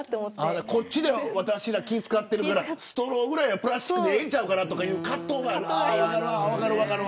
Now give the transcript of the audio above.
こっちで私ら気を使ってるからストローぐらいはプラスチックでええんちゃうかなという葛藤がある。